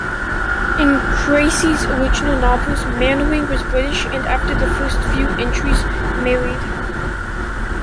In Creasey's original novels Mannering was British and, after the few first entries, married.